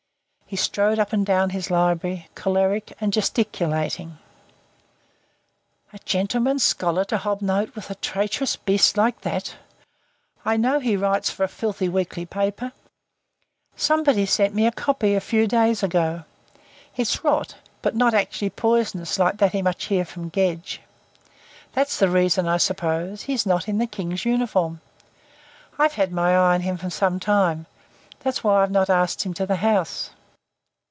He strode up and down his library, choleric and gesticulating. "A gentleman and a scholar to hob nob with a traitorous beast like that! I know that he writes for a filthy weekly paper. Somebody sent me a copy a few days ago. It's rot but not actually poisonous like that he must hear from Gedge. That's the reason, I suppose, he's not in the King's uniform. I've had my eye on him for some time. That's why I've not asked him to the house."